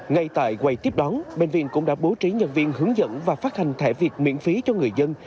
ngay tại quầy tiếp đó bệnh viện cũng đã bố trí nhân viên hướng dẫn và phát hành thẻ viện miễn phí cho người dân